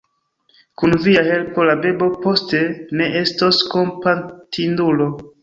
Kun via helpo la bebo poste ne estos kompatindulo.